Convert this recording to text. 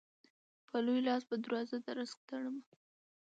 په لوی لاس به دروازه د رزق تړمه